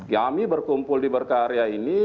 kami berkumpul di berkarya ini